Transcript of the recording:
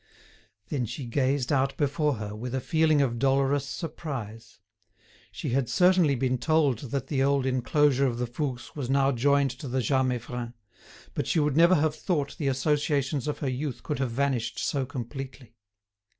Then she gazed out before her, with a feeling of dolorous surprise. She had certainly been told that the old enclosure of the Fouques was now joined to the Jas Meiffren; but she would never have thought the associations of her youth could have vanished so completely.